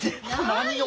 何よ！